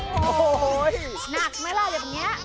โอ้โหหนักไหมล่ะแบบนี้